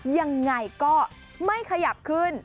ยังไงก็ไม่ขยับขึ้น